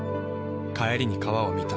帰りに川を見た。